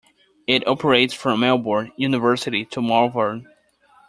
It operates from Melbourne University to Malvern.